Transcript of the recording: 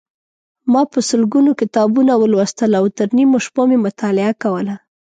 ما په سلګونو کتابونه ولوستل او تر نیمو شپو مې مطالعه کوله.